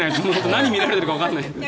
何を見られているかわからないから。